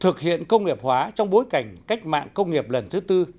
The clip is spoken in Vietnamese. thực hiện công nghiệp hóa trong bối cảnh cách mạng công nghiệp lần thứ tư